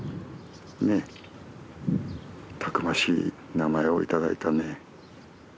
たくましい名前を頂いたね。